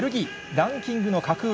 ランキングの格上。